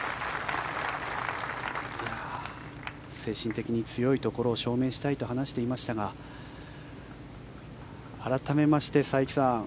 精神的に強いところを証明したいと話していましたが改めまして佐伯さん